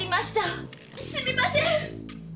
すみません！